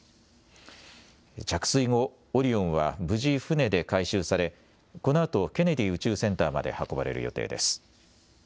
着水後、オリオンは無事、船で回収され、このあと、ケネディ宇宙センターまで運ばれる予定です。